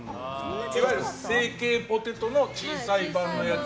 いわゆるポテトの小さいやつ。